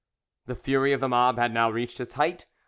The fury of the mob had now reached its height.